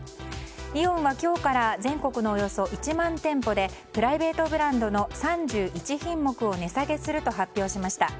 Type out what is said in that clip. イオンは今日から全国のおよそ１万店舗でプライベートブランドの３１品目を値下げすると発表しました。